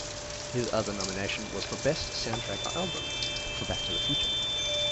His other nomination was for Best Soundtrack Album, for "Back to the Future".